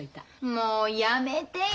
もうやめてよ。